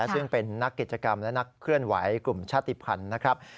ซึ่งเป็นนักกิจกรรมและนักเคลื่อนไหวกลุ่มชาติภัณฑ์นะครับ